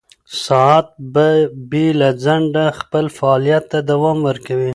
ساعت به بې له ځنډه خپل فعالیت ته دوام ورکوي.